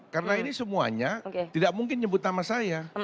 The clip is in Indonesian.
karena ini semuanya tidak mungkin nyebut nama saya